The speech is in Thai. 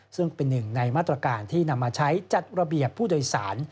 ซึ่งเป็นหนึ่งในมาตรการที่นำมาใช้จัดระเบียบผู้โดยสาร